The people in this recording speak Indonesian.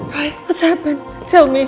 roy apa yang terjadi